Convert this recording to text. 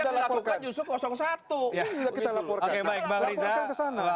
kita laporkan ke sana